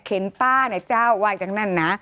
ป้านะเจ้าว่าอย่างนั้นนะ